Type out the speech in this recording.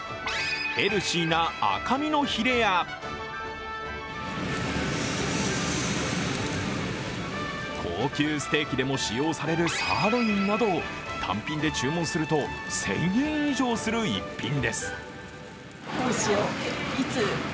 ヘルシーな赤身のヒレや高級ステーキでも使用されるサーロインなど単品で注文すると１０００円以上する逸品です。